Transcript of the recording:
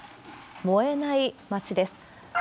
燃えない街です。